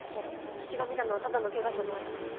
私が見たのはただのケガじゃない。